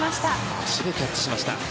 足でキャッチしました。